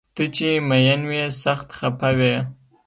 ته چې مین وي سخت خفه وي